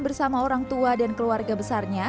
bersama orang tua dan keluarga besarnya